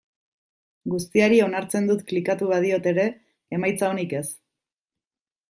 Guztiari onartzen dut klikatu badiot ere, emaitza onik ez.